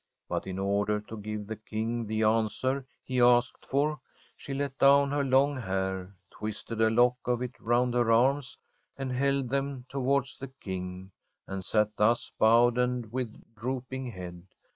But in order to give the King the answer he asked for, she let down her lone hair, twisted a lock of it round her arms, and held them towards the King, and sat thus bowed and with drooping head.